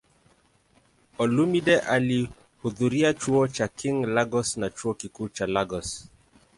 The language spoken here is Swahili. Olumide alihudhuria Chuo cha King, Lagos na Chuo Kikuu cha Lagos.